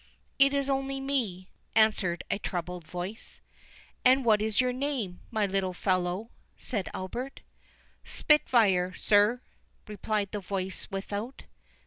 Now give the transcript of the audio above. "It is only me," answered a treble voice. "And what is your name, my little fellow?" said Albert. "Spitfire, sir," replied the voice without.